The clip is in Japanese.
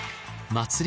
祭り